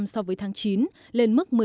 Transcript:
so với tháng chín lên mức